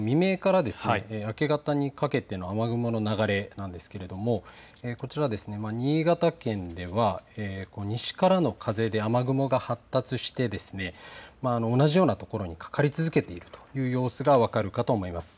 きょうの未明から明け方にかけての雨雲の流れなんですけれども新潟県では西からの風で雨雲が発達して同じような所にかかり続けているという様子が分かるかと思います。